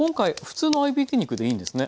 普通の合いびき肉でいいです。